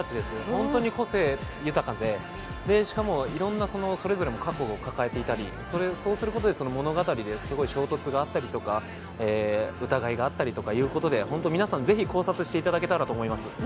本当に個性豊かで、しかもいろんなそれぞれの過去を抱えていたりそうすることで物語ですごい衝突があったりとか、疑いがあったりとかいうことで皆さん、ぜひ考察していただきたいと思います。